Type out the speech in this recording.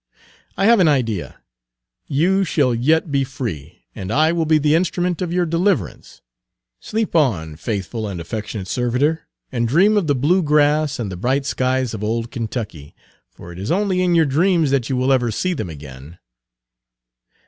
I have an idea! You shall yet be free, and I will be the instrument of your deliverance. Sleep on, faithful and affectionate servitor, and dream of the blue grass and the bright skies of old Kentucky, for it is only in your dreams that you will ever see them again!"